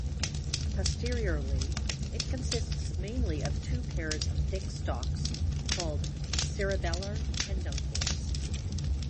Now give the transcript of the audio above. Posteriorly, it consists mainly of two pairs of thick stalks called cerebellar peduncles.